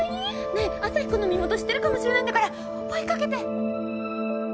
ねえアサヒくんの身元知ってるかもしれないんだから追いかけて。